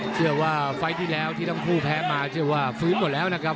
เชื่อว่าไฟล์ที่แล้วที่ทั้งคู่แพ้มาเชื่อว่าฟื้นหมดแล้วนะครับ